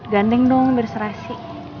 gandeng dong biar serasi